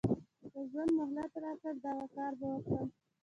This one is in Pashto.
که ژوند مهلت راکړ دغه کار به وکړم.